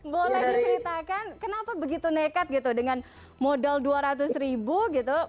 boleh diceritakan kenapa begitu nekat gitu dengan modal dua ratus ribu gitu